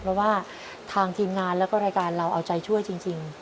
เพราะว่าทางทีมงานแล้วก็รายการเราเอาใจช่วยจริง